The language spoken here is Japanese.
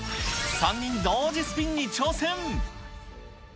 ３人同時スピンに挑戦。